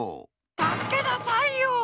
たすけなさいよ！